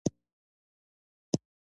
دا ځوانان یې راسره نه مني.